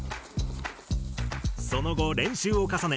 その後練習を重ね